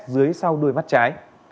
dưới sau đuôi mắt trái